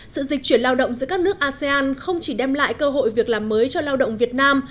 sự dịch chuyển lao động giữa các nước asean không chỉ đem lại cơ hội việc làm mới cho lao động việt nam